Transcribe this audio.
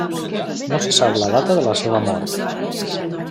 No se sap la data de la seva mort.